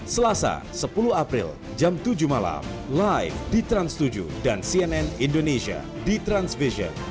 selasa sepuluh april jam tujuh malam live di trans tujuh dan cnn indonesia di transvision